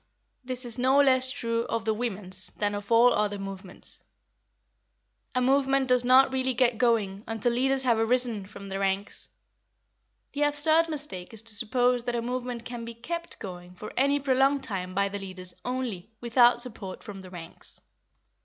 This is no less true of the women's than of all other movements. A movement does not really get going until leaders have arisen from the ranks; the absurd mistake is to suppose that a movement can be kept going for any prolonged time by the leaders only, without support from the ranks.